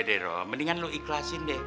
udah deh roh mendingan lu ikhlasin deh